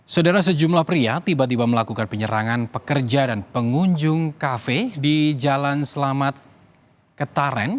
saudara sejumlah pria tiba tiba melakukan penyerangan pekerja dan pengunjung kafe di jalan selamat ketaren